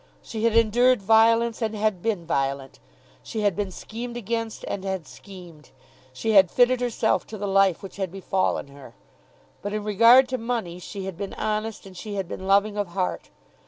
She had endured violence, and had been violent. She had been schemed against, and had schemed. She had fitted herself to the life which had befallen her. But in regard to money, she had been honest and she had been loving of heart.